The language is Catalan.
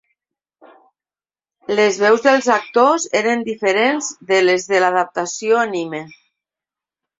Les veus dels actors eren diferents de les de l'adaptació anime.